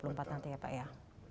nanti ya pak ya